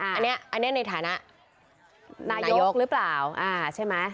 อันนี้ในสภานะนายกนางนายกหรือเปล่าใช่ไหม